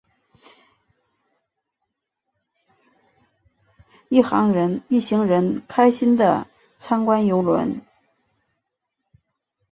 一行人开心的参观邮轮。